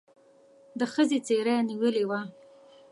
د ښځې څېره نېولې وه.